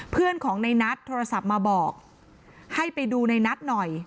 เพื่อนของในนัทโทรศัพท์มาบอกให้ไปดูในนัทหน่อย